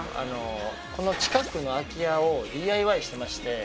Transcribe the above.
この近くの空き家をＤＩＹしてまして。